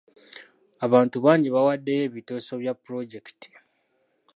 Abantu bangi baawaddeyo ebiteeso bya pulojekiti.